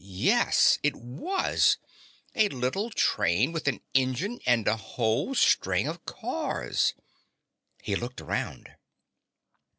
Yes, it was! A little train with an engine and a whole string of cars! He looked around.